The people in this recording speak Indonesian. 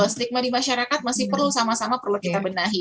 stigma di masyarakat masih perlu sama sama perlu kita benahi